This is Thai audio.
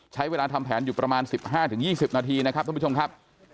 ใช้เวลาทำแผนอยู่ประมาณ๑๕๒๐นาทีนะครับท่านผู้ชมครับ